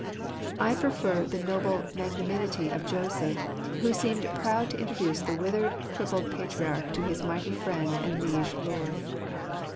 I prefer the noble magnanimity of Joseph, who seemed proud to introduce the withered, crippled patriarch to his mighty friend and liege lord.